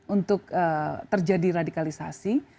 untuk terjadi radikalisasi